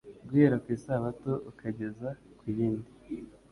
“Guhera ku isabato ukageza ku yindi,